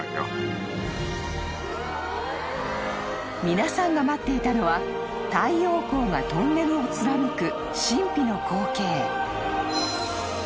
［皆さんが待っていたのは太陽光がトンネルを貫く神秘の光景］